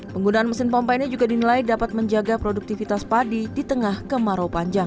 penggunaan mesin pompa ini juga dinilai dapat menjaga produktivitas padi di tengah kemarau panjang